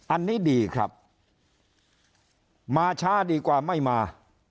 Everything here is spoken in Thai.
อันนี้ดีครับมาช้าดีกว่าไม่มา